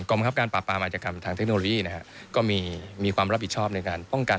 บังคับการปราบปรามอาจกรรมทางเทคโนโลยีนะฮะก็มีความรับผิดชอบในการป้องกัน